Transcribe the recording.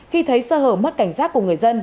khi thấy sơ hở mất cảnh giác của người dân